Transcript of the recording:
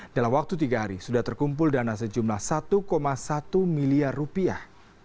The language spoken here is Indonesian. dalam waktu tiga hari sudah terkumpul dana sejumlah satu satu miliar rupiah